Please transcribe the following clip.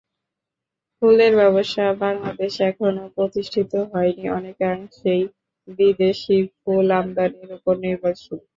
ফুলের ব্যবসা বাংলাদেশ এখনো প্রতিষ্ঠিত হয়নি, অনেকাংশেই বিদেশি ফুল আমদানির ওপর নির্ভরশীল।